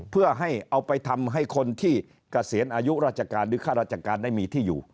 เพื่อให้เอาไปทำให้คนที่เกษียณอายุราชการหรือข้าราชการได้มีที่อยู่